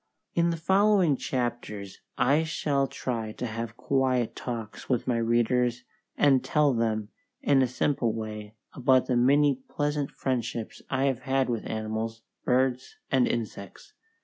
In the following chapters I shall try to have quiet talks with my readers and tell them in a simple way about the many pleasant friendships I have had with animals, birds, and insects.